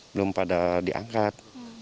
belum pada diangkat